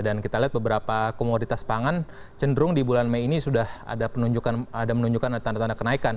dan kita lihat beberapa komoditas pangan cenderung di bulan mei ini sudah ada menunjukkan ada tanda tanda kenaikan